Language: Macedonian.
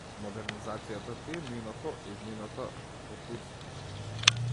Модернизацијата ти е минато, иднината во турско.